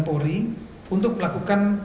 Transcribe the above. polri untuk melakukan